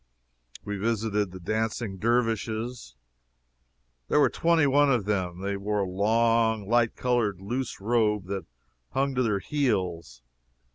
We visited the Dancing Dervishes. There were twenty one of them. They wore a long, light colored loose robe that hung to their heels.